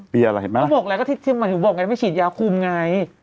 อะไรเห็นไหมเขาบอกอะไรก็ที่หมายถึงบอกไงไม่ฉีดยาคุมไง